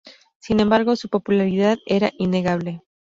Sin embargo, su popularidad era innegable.